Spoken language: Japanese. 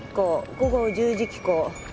午後１０時帰港。